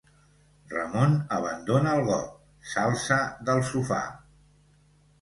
Ramon abandona el got. S’alça del sofà.